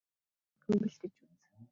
Чи авч явах юмаа түргэхэн бэлдэж үз.